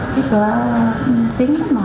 cái cửa tính vẫn mở